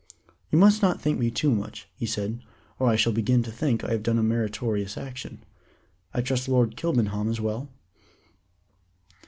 "You must not thank me too much," he said, "or I shall begin to think I have done a meritorious action. I trust Lord Kilbenham is well?"